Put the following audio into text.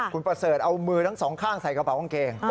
คุณประเสริฐเอามือทั้งสองข้างใส่กระเป๋ากางเกง